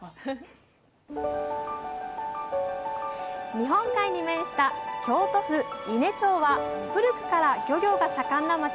日本海に面した京都府伊根町は古くから漁業が盛んな町です。